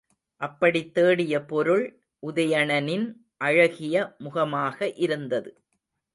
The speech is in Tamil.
அப்படித் தேடிய பொருள் உதயணனின் அழகிய முகமாக இருந்தது.